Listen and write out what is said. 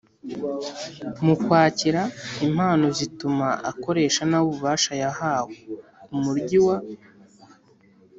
Mu kwakira impano zituma akoresha nabi ububasha yahawe, umuryi wa